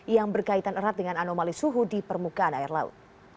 yang berkaitan erat dengan anomali suhu di permukaan air laut